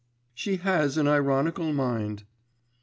_ She has an ironical mind.